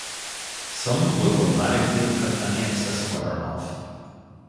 Some will automatically cut any excess wire off.